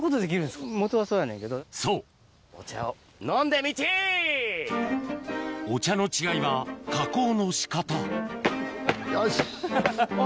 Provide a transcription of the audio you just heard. そうお茶の違いは加工の仕方うわ